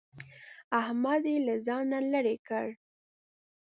احمد يې له ځانه لرې کړ.